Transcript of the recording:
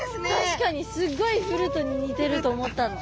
確かにすっごいフルートに似てると思ったの。